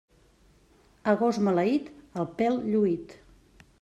A gos maleït, el pèl lluït.